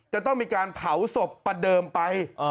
จะต้องมีการเผาศพประเดิมไป